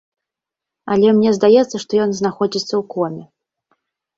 Але мне здаецца, што ён знаходзіцца ў коме.